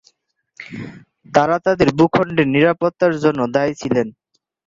তারা তাদের ভূখন্ডের নিরাপত্তার জন্য দায়ী ছিলেন।